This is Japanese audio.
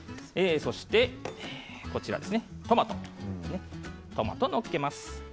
そしてトマトトマトを載っけます。